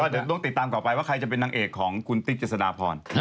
เดี๋ยวต้องติดตามต่อไปว่าใครจะเป็นนางเอกของคุณติ๊กเจษฎาพร